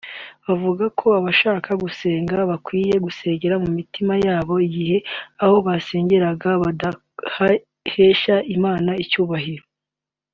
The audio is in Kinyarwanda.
Bavuga ko abashaka gusenga bakwiye gusengera mu mitima yabo igihe aho basengeraga hadahesha Imana icyubahiro